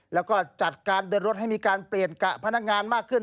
แล้วก็จัดการเดินรถให้มีการเปลี่ยนกะพนักงานมากขึ้น